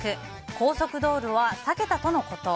高速道路は避けたとのこと。